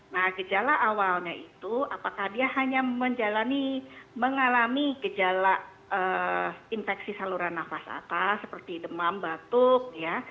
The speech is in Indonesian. nah gejala awalnya itu apakah dia hanya menjalani mengalami gejala infeksi saluran nafas atas seperti demam batuk ya